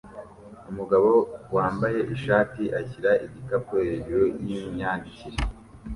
Umugabo wambaye ishati ashyira igikapu hejuru yimyandikire